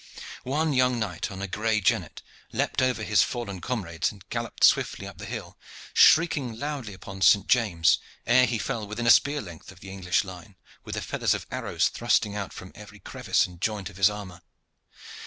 One young knight on a gray jennet leaped over his fallen comrades and galloped swiftly up the hill, shrieking loudly upon Saint James, ere he fell within a spear length of the English line, with the feathers of arrows thrusting out from every crevice and joint of his armor.